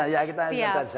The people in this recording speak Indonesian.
iya kita makan dulu aja